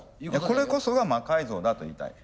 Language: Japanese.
これこそが魔改造だと言いたい。